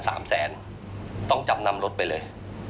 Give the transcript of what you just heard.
สามแสนต้องจำนำรถไปเลย